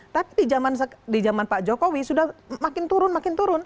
tapi di zaman pak jokowi sudah makin turun makin turun